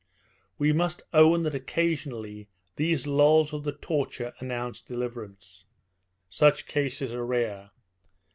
We must own that occasionally these lulls of the torture announce deliverance. Such cases are rare.